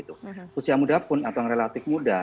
usia muda pun atau yang relatif muda